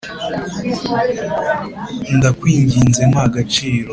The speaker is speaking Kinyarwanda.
Ndakwinginze mpa agaciro